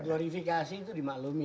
ya glorifikasi itu dimaklumi